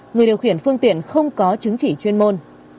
người điều khiển phương tiện không có chứng chỉ chuyên môn